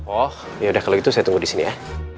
oh yaudah kalau gitu saya tunggu di sini ya